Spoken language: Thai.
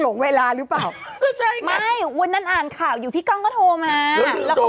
โหลงเวลารู้ป่าวอ่านข่าวอยู่ว่าก็โทรมาแล้วก็